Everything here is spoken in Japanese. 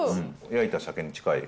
焼いた鮭に近い。